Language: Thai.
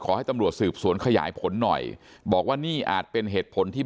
ขอให้ตำรวจสืบสวนขยายผลหน่อยบอกว่านี่อาจเป็นเหตุผลที่